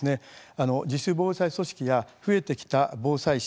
自主防災組織や増えてきた防災士